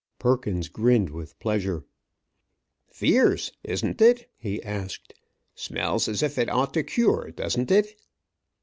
Perkins grinned with pleasure. "Fierce, isn't it?" he asked. "Smells as if it ought to cure, don't it?